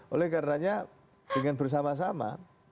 oleh karena ingin bersama sama